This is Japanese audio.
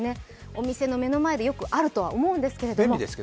お店の目の前でよくあるとは思うんですけれども。